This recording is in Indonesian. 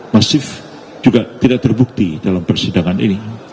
masif juga tidak terbukti dalam persidangan ini